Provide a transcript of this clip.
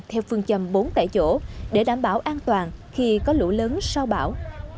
theo phương châm bốn tại chỗ để đảm bảo an toàn khi có lũ lớn sau bão